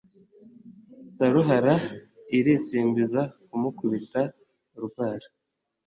Saruhara irisimbiza kumukubita urwara